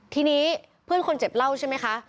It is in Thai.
ทีนี้เพื่อนคนเจ็บเล่าใช่ไหมคะ